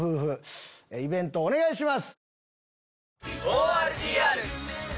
イベントお願いします。